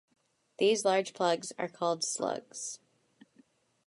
These large plugs are called slugs.